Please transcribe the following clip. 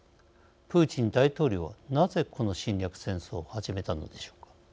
プーチン大統領はなぜ、この侵略戦争を始めたのでしょうか。